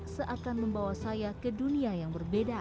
seakan membawa saya ke dunia yang berbeda